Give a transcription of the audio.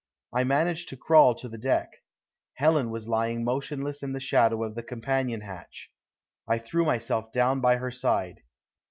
I managed to crawl to the deck. Helen was lying motionless in the shadow of the companion hatch. I threw myself down by her side.